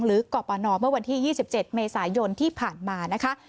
กรปนเมื่อวันที่๒๗เมษายนที่ผ่านมานะคะ